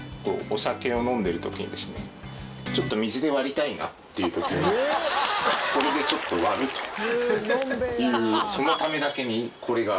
ちょっと水で割りたいなっていう時にこれでちょっと割るというそのためだけにこれが。